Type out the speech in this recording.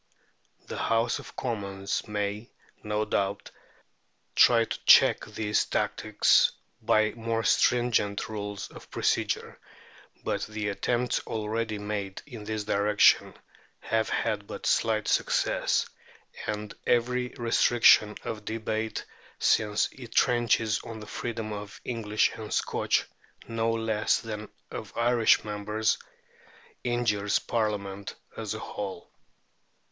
The House of Commons may, no doubt, try to check these tactics by more stringent rules of procedure, but the attempts already made in this direction have had but slight success, and every restriction of debate, since it trenches on the freedom of English and Scotch no less than of Irish members, injures Parliament as a whole.